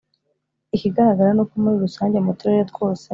Ikigaragara ni uko muri rusange mu turere twose